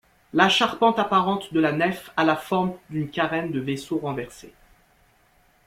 La charpente apparente de la nef à la forme d'une carène de vaisseau renversé.